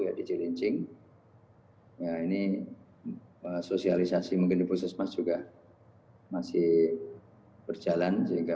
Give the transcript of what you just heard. ya di cilincing ya ini sosialisasi mungkin di puskesmas juga masih berjalan sehingga